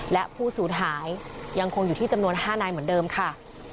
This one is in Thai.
และผู้สูญหายยังคงอยู่ที่จำนวน๕นายเหมือนเดิมค่ะ